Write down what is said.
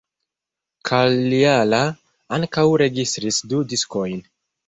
Kalliala ankaŭ registris du diskojn.